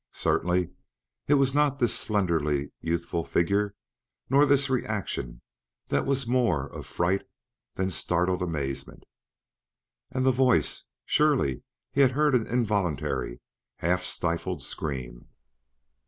Certainly it was not this slenderly youthful figure, nor this reaction that was more of fright than startled amazement. And the voice! Surely he had heard an involuntary, half stifled scream!